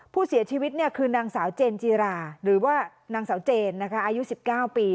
ผู้เสียชีวิตคือนางสาวเจนจีราหรือว่านางสาวเจนนะคะอายุ๑๙ปี